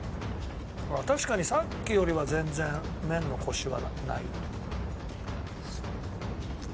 あっ確かにさっきよりは全然麺のコシはない。